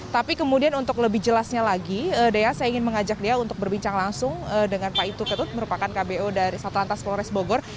tapi kemudian untuk lebih jelasnya lagi dea saya ingin mengajak dea untuk berbincang langsung dengan pak ituketut merupakan kbo dari satu lantas polres bogor